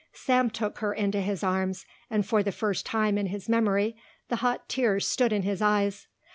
Sam took her into his arms and for the first time in his memory the hot tears stood in his eyes.